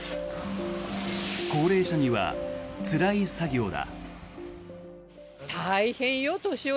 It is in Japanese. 高齢者にはつらい作業だ。